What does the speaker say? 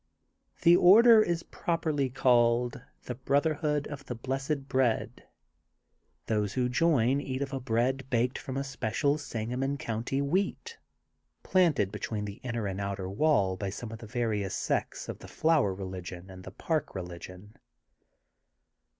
'" The order is properly called the "Brotherhood of the Blessed Bread. ^^ Those who join eat of a bread baked from a special Sangamon County wheat, planted between the inner and the outer wall by some of the various sects of the Flower Eeligion and the Park Religion.